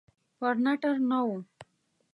پرنټر نه و.